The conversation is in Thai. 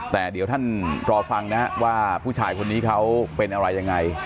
แต่เดี๋ยวท่านรอฟังนะฮะว่าผู้ชายคนนี้เขาเป็นอะไรยังไง